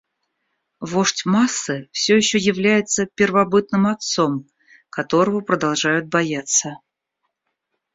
Вождь массы все еще является первобытным отцом, которого продолжают бояться.